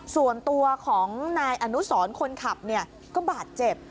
ส่วนตัวของนายอนุสรคนขับก็บาดเจ็บ